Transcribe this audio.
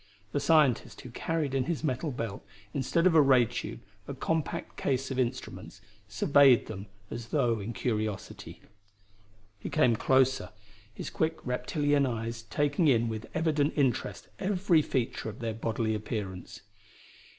The scientist, who carried in his metal belt, instead of a ray tube a compact case of instruments, surveyed them as though in curiosity. He came closer, his quick reptilian eyes taking in with evident interest every feature of their bodily appearance.